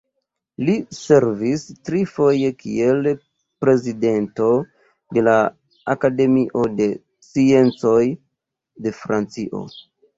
Li servis tri foje kiel prezidento de la Akademio de Sciencoj de Francio.